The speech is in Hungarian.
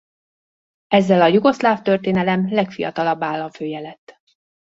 Ezzel a jugoszláv történelem legfiatalabb államfője lett.